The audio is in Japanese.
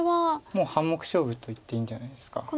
もう半目勝負といっていいんじゃないですか。